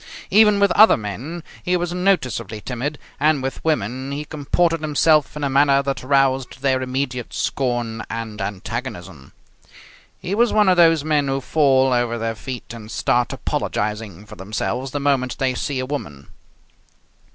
Even with other men he was noticeably timid, and with women he comported himself in a manner that roused their immediate scorn and antagonism. He was one of those men who fall over their feet and start apologizing for themselves the moment they see a woman.